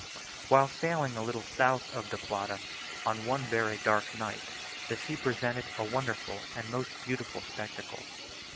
While sailing a little south of the Plata on one very dark night, the sea presented a wonderful and most beautiful spectacle.